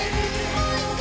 もう１回！